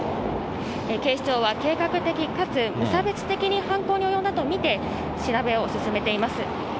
警視庁は、計画的かつ無差別的に犯行に及んだと見て調べを進めています。